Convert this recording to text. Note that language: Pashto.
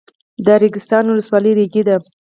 د ریګستان ولسوالۍ ریګي ده